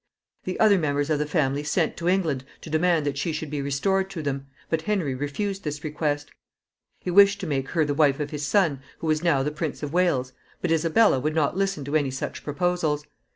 The other members of the family sent to England to demand that she should be restored to them, but Henry refused this request. He wished to make her the wife of his son, who was now the Prince of Wales, but Isabella would not listen to any such proposals.